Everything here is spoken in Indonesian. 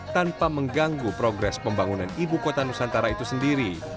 tanpa mengganggu progres pembangunan ibu kota nusantara itu sendiri